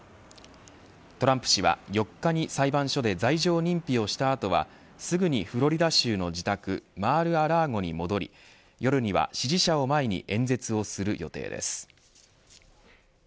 トランプ氏は４日に裁判所で罪状認否をした後はすぐにフロリダ州の自宅マールアラーゴに戻り夜には支持者を前に演説をする予定です。